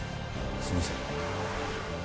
すいません。